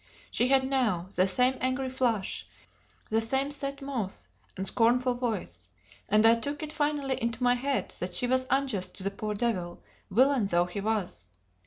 She had now the same angry flush, the same set mouth and scornful voice; and I took it finally into my head that she was unjust to the poor devil, villain though he was.